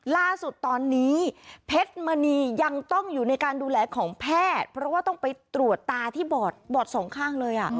ล่าสุดตอนนี้เพชรมณียังต้องอยู่ในการดูแลของแพทย์เพราะว่าต้องไปตรวจตาที่บอดบอดสองข้างเลย